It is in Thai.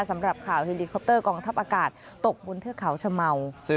สำหรับข่าวเฮลิคอปเตอร์กองทัพอากาศตกบนเทือกเขาชะเมา